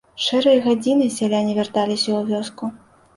Шэрай гадзінай сяляне вярталіся ў вёску.